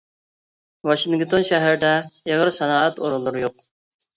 ۋاشىنگتون شەھىرىدە ئېغىر سانائەت ئورۇنلىرى يوق.